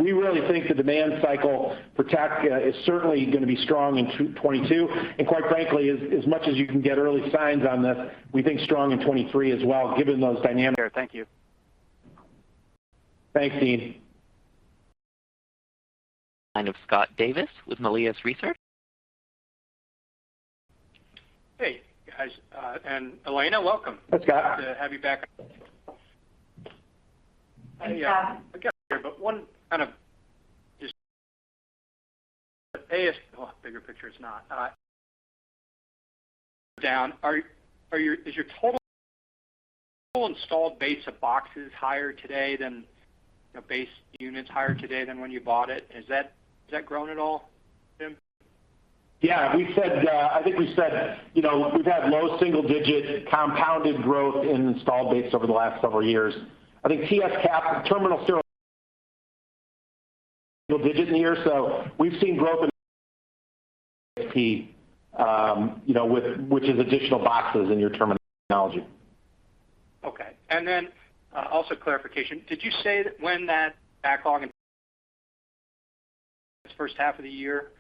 We really think the demand cycle for Tek is certainly gonna be strong in 2022, and quite frankly, as much as you can get early signs on this, we think strong in 2023 as well, given those dynamics. Thank you. Thanks, Deane. Line of Scott Davis with Melius Research. Hey, guys. Elena, welcome. Hey, Scott. To have you back. Thanks, Scott. Is your total installed base of boxes higher today than, you know, when you bought it? Has that grown at all, Jim? Yeah. We said, I think, you know, we've had low single digit compounded growth in installed base over the last several years. I think it's capped at single digit in a year. We've seen growth in which, you know, is additional boxes in your terminology. Okay. Also clarification. Did you say that when that backlog in the first half of the year?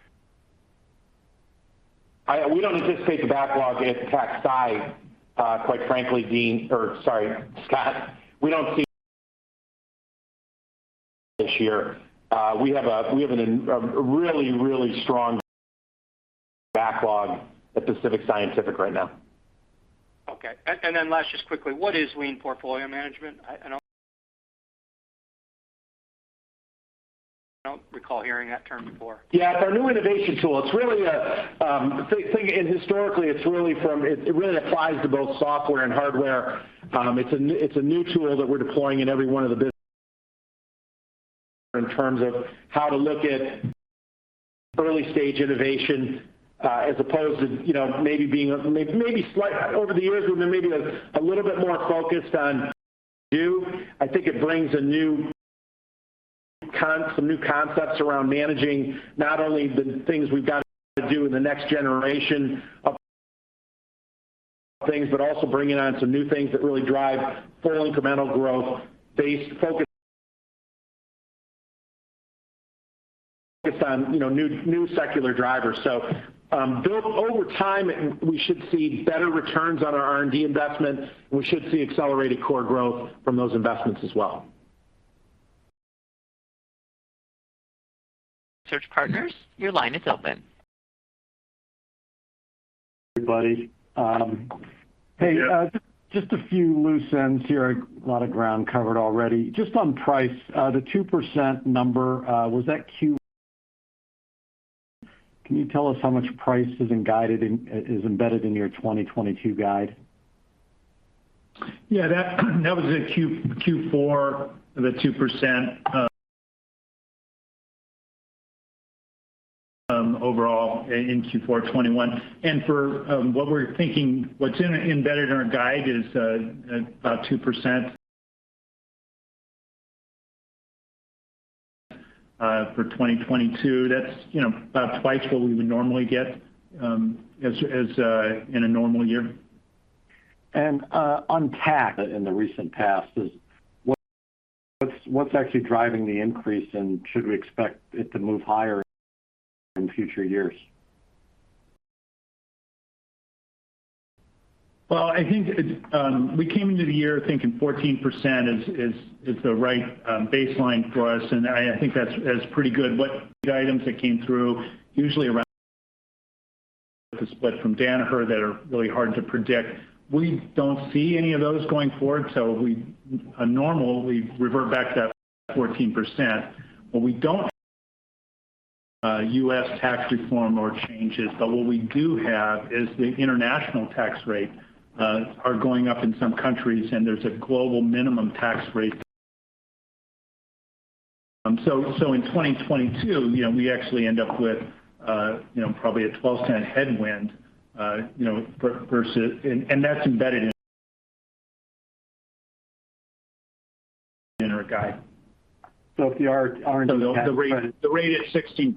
We don't anticipate the backlog at the Tek side, quite frankly, Deane, or sorry, Scott. We don't see this year. We have a really strong backlog at Pacific Scientific right now. Okay. Last, just quickly, what is Lean Portfolio Management? I don't recall hearing that term before. Yeah. It's our new innovation tool. It's really a thing. Historically, it's really applies to both software and hardware. It's a new tool that we're deploying in every one of the bus. In terms of how to look at early stage innovation, as opposed to, you know, over the years, we've been a little bit more focused on do. I think it brings some new concepts around managing not only the things we've got to do in the next generation of things, but also bringing on some new things that really drive full incremental growth based, focused. On, you know, new secular drivers. Build over time, and we should see better returns on our R&D investment. We should see accelerated core growth from those investments as well. Search Partners, your line is open. Buddy. Hey. Yeah. Just a few loose ends here. A lot of ground covered already. Just on price, the 2% number. Can you tell us how much price is embedded in your 2022 guide? Yeah, that was in Q4, the 2% overall in Q4 2021. For what we're thinking, what's embedded in our guide is about 2% for 2022. That's, you know, about twice what we would normally get as in a normal year. on Tek in the recent past is what's actually driving the increase, and should we expect it to move higher in future years? Well, I think that we came into the year thinking 14% is the right baseline for us, and I think that's pretty good. The items that came through usually around the split from Danaher that are really hard to predict. We don't see any of those going forward, so we normally revert back to that 14%. What we don't have is U.S. tax reform or changes, but what we do have is the international tax rate are going up in some countries, and there's a global minimum tax rate. So in 2022, you know, we actually end up with, you know, probably a $0.12 headwind, you know, versus and that's embedded in our guide. If the R&D tax credit—So the rate, the rate is 16%.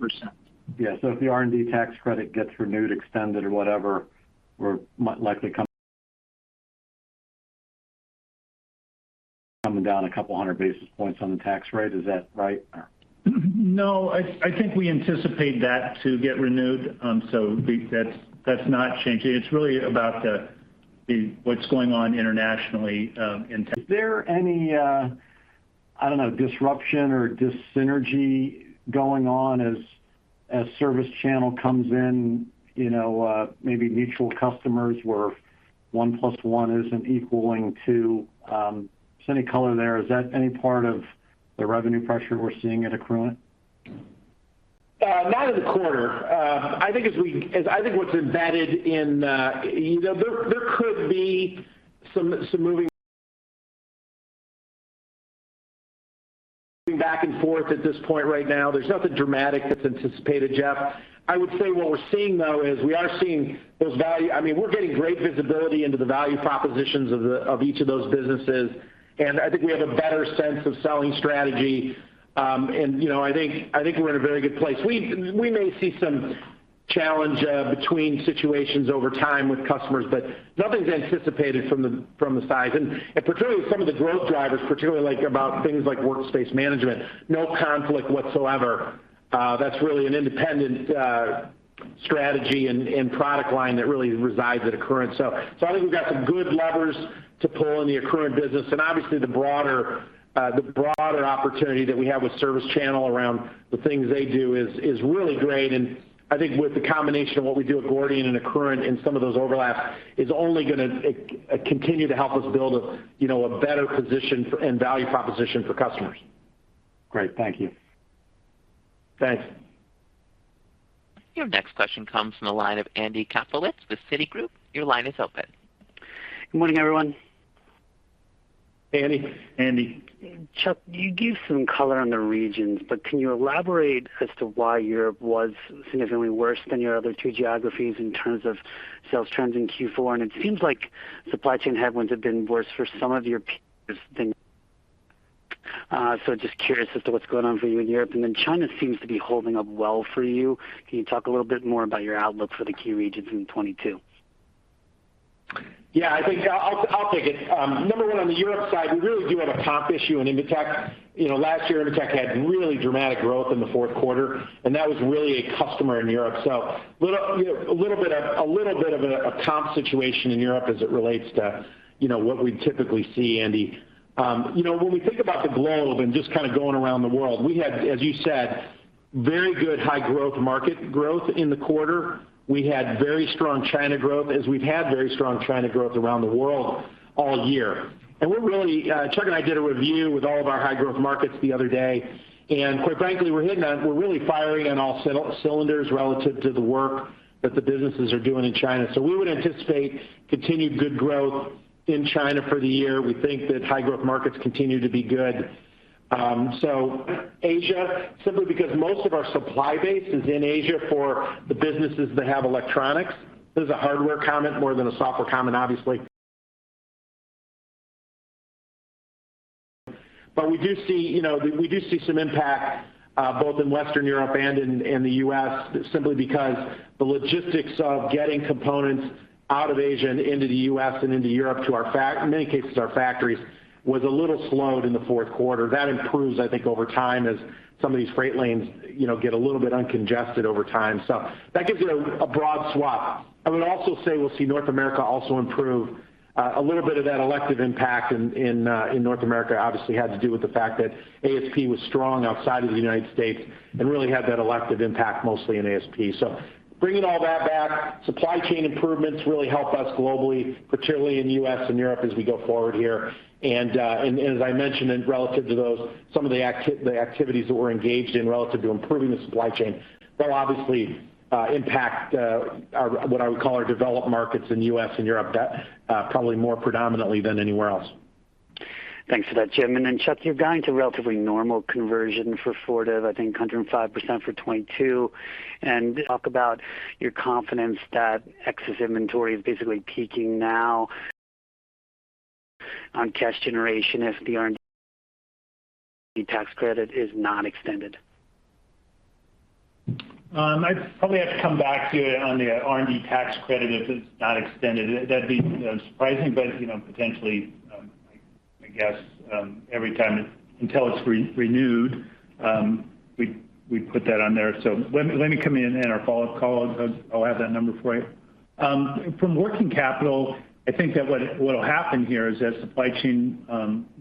Yeah. So if the R&D tax credit gets renewed, extended or whatever, we're likely coming down a couple hundred basis points on the tax rate. Is that right? No, I think we anticipate that to get renewed, so we—that's not changing. It's really about the what's going on internationally in tech. Is there any, I don't know, disruption or dyssynergy going on as ServiceChannel comes in, you know, maybe mutual customers where one plus one isn't equaling two, just any color there. Is that any part of the revenue pressure we're seeing at Accruent? Not in the quarter. I think what's embedded in there could be some moving back and forth at this point right now. There's nothing dramatic that's anticipated, Jeff. I would say what we're seeing, though, I mean, we're getting great visibility into the value propositions of each of those businesses, and I think we have a better sense of selling strategy. I think we're in a very good place. We may see some challenge between situations over time with customers, but nothing's anticipated from the size. Particularly some of the growth drivers, particularly like about things like workspace management, no conflict whatsoever. That's really an independent strategy and product line that really resides at Accruent. I think we've got some good levers to pull in the Accruent business. Obviously the broader opportunity that we have with ServiceChannel around the things they do is really great. I think with the combination of what we do at Gordian and Accruent and some of those overlaps is only gonna continue to help us build a, you know, a better position and value proposition for customers. Great. Thank you. Thanks. Your next question comes from the line of Andy Kaplowitz with Citigroup. Your line is open. Good morning, everyone. Hey, Andy. Andy. Chuck, you gave some color on the regions, but can you elaborate as to why Europe was significantly worse than your other two geographies in terms of sales trends in Q4? It seems like supply chain headwinds have been worse for some of your peers. I'm just curious as to what's going on for you in Europe. China seems to be holding up well for you. Can you talk a little bit more about your outlook for the key regions in 2022? Yeah, I think I'll take it. Number one on the Europe side, we really do have a comp issue in Invetech. You know, last year Invetech had really dramatic growth in the fourth quarter, and that was really a customer in Europe. A little bit of a comp situation in Europe as it relates to, you know, what we typically see, Andy. You know, when we think about the globe and just kind of going around the world, we had, as you said, very good high growth market growth in the quarter. We had very strong China growth, as we've had very strong China growth around the world all year. We're really, Chuck and I did a review with all of our high growth markets the other day, and quite frankly, we're really firing on all cylinders relative to the work that the businesses are doing in China. We would anticipate continued good growth in China for the year. We think that high growth markets continue to be good. Asia, simply because most of our supply base is in Asia for the businesses that have electronics. This is a hardware comment more than a software comment, obviously. We do see, you know, we do see some impact, both in Western Europe and in the U.S. simply because the logistics of getting components out of Asia and into the U.S. and into Europe to our factories, in many cases, was a little slowed in the fourth quarter. That improves, I think, over time as some of these freight lanes, you know, get a little bit uncongested over time. That gives you a broad swath. I would also say we'll see North America also improve. A little bit of that elective impact in North America obviously had to do with the fact that ASP was strong outside of the United States and really had that elective impact mostly in ASP. Bringing all that back, supply chain improvements really help us globally, particularly in the U.S. and Europe as we go forward here. As I mentioned, relative to those, some of the activities that we're engaged in relative to improving the supply chain, they'll obviously impact our what I would call our developed markets in U.S. and Europe that probably more predominantly than anywhere else. Thanks for that, Jim. Then, Chuck, you're guiding to relatively normal conversion for Fortive. I think 105% for 2022. Talk about your confidence that excess inventory is basically peaking now on cash generation if the R&D tax credit is not extended. I probably have to come back to you on the R&D tax credit if it's not extended. That'd be surprising, but you know, potentially, I guess, every time until it's renewed, we put that on there. Let me come back in our follow-up call. I'll have that number for you. From working capital, I think that what'll happen here is as supply chain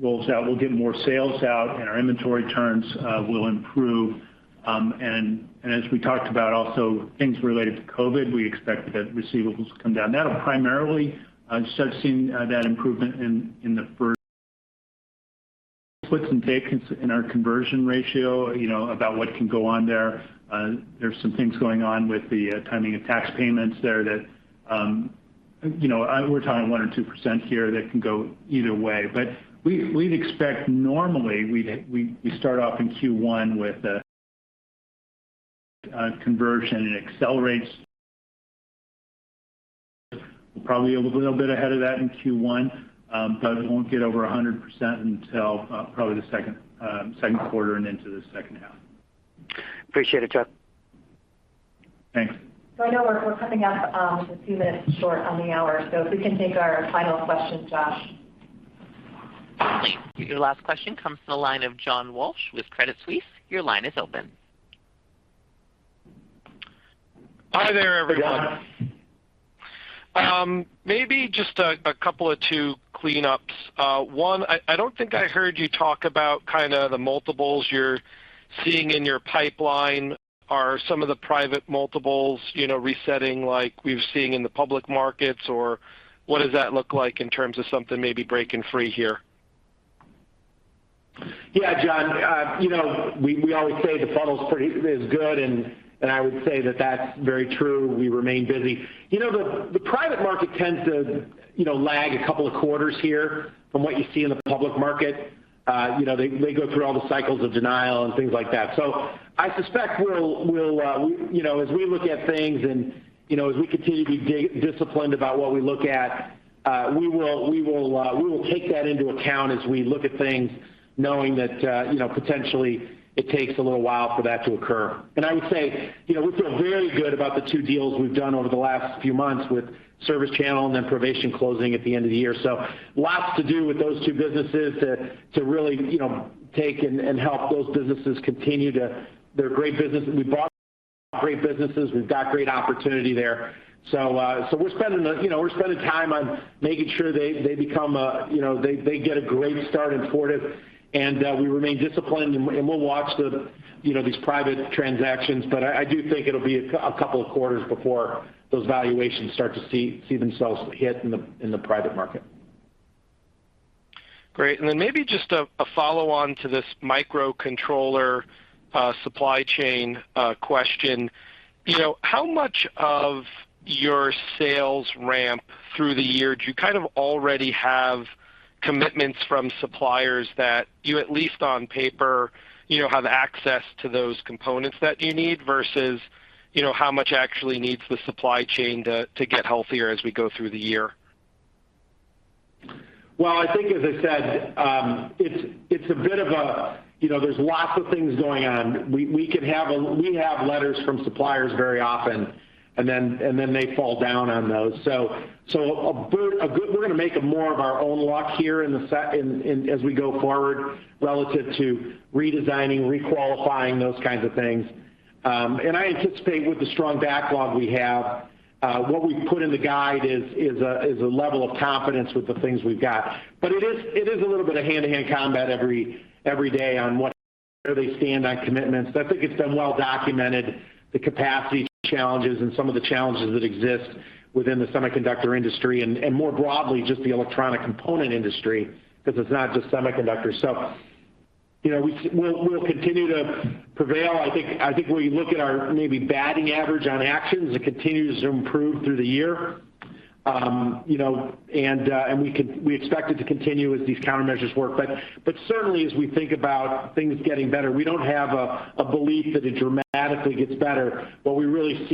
rolls out, we'll get more sales out and our inventory turns will improve. And as we talked about also things related to COVID, we expect that receivables will come down. We'll primarily start seeing that improvement in the first quarter. But some take in our conversion ratio, you know, about what can go on there. There's some things going on with the timing of tax payments there that. You know, we're talking one or 2% here that can go either way. We'd expect normally we start off in Q1 with a conversion. It accelerates. We're probably a little bit ahead of that in Q1, but it won't get over 100% until probably the second quarter and into the second half. Appreciate it, Jeff. Thanks. I know we're coming up just a few minutes short on the hour, so if we can take our final question, Josh. Your last question comes from the line of John Walsh with Credit Suisse. Your line is open. Hi there, everyone. Yeah. Maybe just a couple of two cleanups. One, I don't think I heard you talk about kinda the multiples you're seeing in your pipeline. Are some of the private multiples, you know, resetting like we've seen in the public markets? Or what does that look like in terms of something maybe breaking free here? Yeah, John. You know, we always say the funnel is good, and I would say that's very true. We remain busy. You know, the private market tends to, you know, lag a couple of quarters here from what you see in the public market. You know, they go through all the cycles of denial and things like that. I suspect we'll, you know, as we look at things and, you know, as we continue to be disciplined about what we look at, we will take that into account as we look at things knowing that, you know, potentially it takes a little while for that to occur. I would say, you know, we feel very good about the two deals we've done over the last few months with ServiceChannel and then Provation closing at the end of the year. Lots to do with those two businesses to really take and help those businesses continue to. They're great business. We bought great businesses. We've got great opportunity there. We're spending, you know, time on making sure they become, you know, they get a great start in Fortive. We remain disciplined and we'll watch the, you know, these private transactions. But I do think it'll be a couple of quarters before those valuations start to see themselves hit in the private market. Great. Maybe just a follow-on to this microcontroller supply chain question. You know, how much of your sales ramp through the year do you kind of already have commitments from suppliers that you, at least on paper, you know, have access to those components that you need versus, you know, how much actually needs the supply chain to get healthier as we go through the year? Well, I think, as I said, it's a bit of a, you know, there's lots of things going on. We have letters from suppliers very often, and then they fall down on those. We're gonna make it more of our own luck here as we go forward relative to redesigning, requalifying, those kinds of things. I anticipate with the strong backlog we have, what we put in the guide is a level of confidence with the things we've got. But it is a little bit of hand-to-hand combat every day on where they stand on commitments. I think it's been well documented the capacity challenges and some of the challenges that exist within the semiconductor industry and more broadly just the electronic component industry, because it's not just semiconductors. You know, we'll continue to prevail. I think when you look at our maybe batting average on actions, it continues to improve through the year. You know, we expect it to continue as these countermeasures work. Certainly as we think about things getting better, we don't have a belief that it dramatically gets better, but we really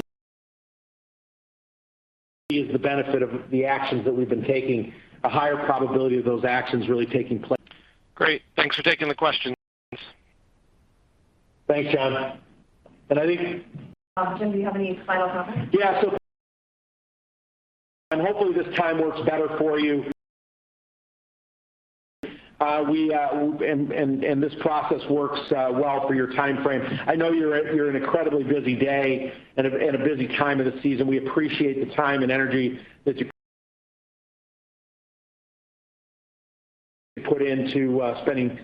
see the benefit of the actions that we've been taking, a higher probability of those actions really taking place. Great. Thanks for taking the question. Thanks, John. I think Jim, do you have any final comments? Yeah. Hopefully this time works better for you. We and this process works well for your timeframe. I know you're at an incredibly busy day and a busy time of the season. We appreciate the time and energy that you put into spending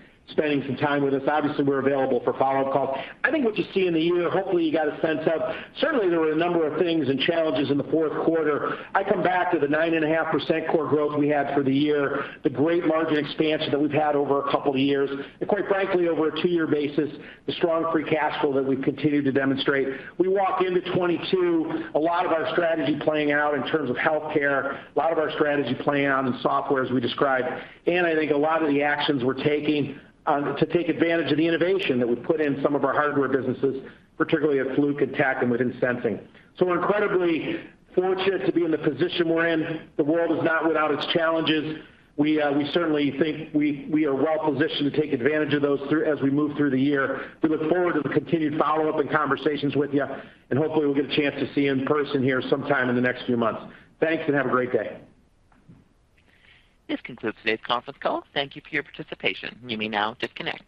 some time with us. Obviously, we're available for follow-up calls. I think what you see in the year, hopefully you got a sense of. Certainly, there were a number of things and challenges in the fourth quarter. I come back to the 9.5% core growth we had for the year, the great margin expansion that we've had over a couple of years, and quite frankly, over a two-year basis, the strong free cash flow that we've continued to demonstrate. We walk into 2022, a lot of our strategy playing out in terms of healthcare, a lot of our strategy playing out in software as we described, and I think a lot of the actions we're taking to take advantage of the innovation that we've put in some of our hardware businesses, particularly at Fluke and Tek and within Sensing. We're incredibly fortunate to be in the position we're in. The world is not without its challenges. We certainly think we are well positioned to take advantage of those through as we move through the year. We look forward to the continued follow-up and conversations with you, and hopefully we'll get a chance to see you in person here sometime in the next few months. Thanks, and have a great day. This concludes today's conference call. Thank you for your participation. You may now disconnect.